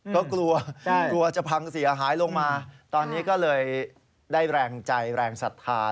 ก็กลัวกลัวจะพังเสียหายลงมาตอนนี้ก็เลยได้แรงใจแรงศรัทธา